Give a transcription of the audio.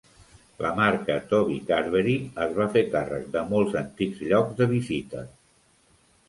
La marca Toby Carvery es va fer càrrec de molts antics llocs de Beefeater.